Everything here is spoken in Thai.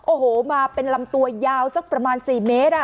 โอ้โหมาเป็นลำตัวยาวสักประมาณ๔เมตร